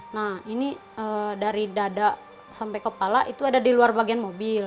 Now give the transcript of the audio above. nah ini dari dada sampai kepala itu ada di luar bagian mobil